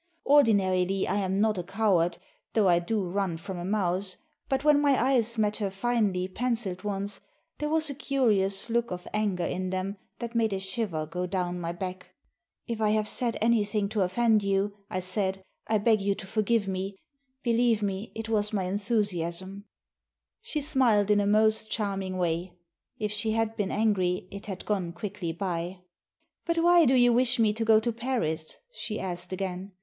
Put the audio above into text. Ordinarily I am not a coward, though I do run from a mouse; but when my eyes met her finely penciled ones, there was a curious look of anger in them that made a shiver go down my back. "If I have said any 580 A TURKISH WHAT FOR? thing to offend you," I said, "I beg you to forgive me. Believe me, it was my enthusiasm." She smiled in a most charming way. If she had been angry, it had gone quickly by. "But why do you wish me to go to Paris?" she asked again.